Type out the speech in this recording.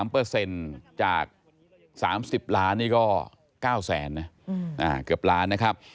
เปอร์เซ็นต์จาก๓๐ล้านนี่ก็๙แสนนะเกือบล้านนะครับ